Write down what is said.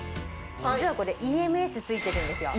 実はこれＥＭＳ付いてるんですよ。